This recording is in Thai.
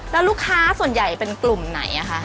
แล้วลูกค้าส่วนใหญ่เป็นกลุ่มไหนคะ